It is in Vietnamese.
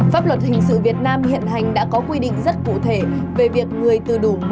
pháp luật hình sự việt nam hiện hành đã có quy định rất cụ thể về việc người từ đủ một mươi bốn tuổi